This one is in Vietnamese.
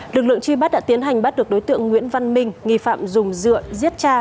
lực lượng truy bắt đã tiến hành bắt được đối tượng nguyễn văn minh nghi phạm dùng dựa giết cha